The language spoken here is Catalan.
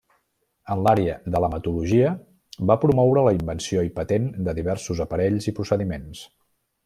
En l'àrea de l'hematologia va promoure la invenció i patent de diversos aparells i procediments.